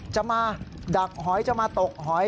จะมาดักหอยจะมาตกหอย